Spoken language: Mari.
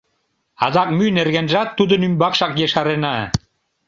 Адак мӱй нергенжат тудын ӱмбакшак ешарена.